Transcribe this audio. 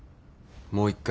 もう一回。